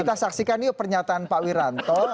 kita saksikan yuk pernyataan pak wiranto